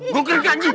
gua nggeri kaji